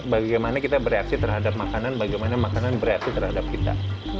bagaimana kita bereaksi terhadap makanan bagaimana makanan bereaksi terhadap kita